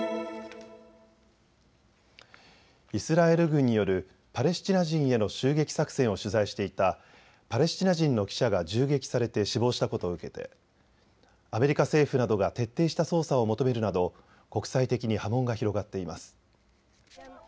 イスラエル軍によるパレスチナ人への襲撃作戦を取材していたパレスチナ人の記者が銃撃されて死亡したことを受けてアメリカ政府などが徹底した捜査を求めるなど国際的に波紋が広がっています。